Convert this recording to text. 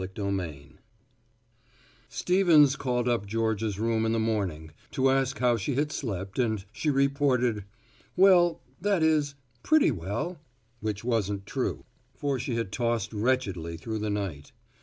SILVERMAN Stevens called up Georgia's room in the morning to ask how she had slept and she reported, "Well that is, pretty well," which wasn't true, for she had tossed wretchedly through the night.